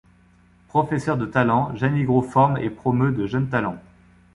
Professeur de talent, Janigro forme et promeut de jeunes talents.